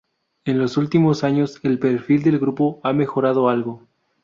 En los últimos años, el perfil del grupo ha mejorado algo.